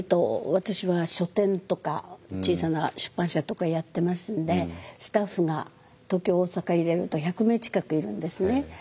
私は書店とか小さな出版社とかやってますんでスタッフが東京大阪入れると１００名近くいるんですね。